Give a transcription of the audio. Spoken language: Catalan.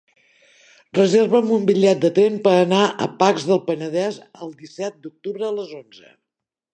Reserva'm un bitllet de tren per anar a Pacs del Penedès el disset d'octubre a les onze.